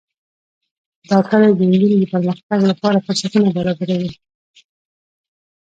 دا کلي د نجونو د پرمختګ لپاره فرصتونه برابروي.